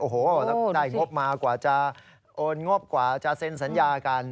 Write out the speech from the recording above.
โอ้โหแล้วได้งบมากว่าจะโอนงบกว่าจะเซ็นสัญญากัน